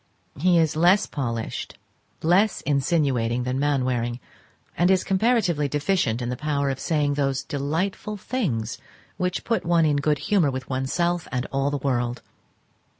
He is less polished, less insinuating than Mainwaring, and is comparatively deficient in the power of saying those delightful things which put one in good humour with oneself and all the world.